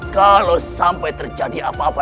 kalau sampai terjadi apa apa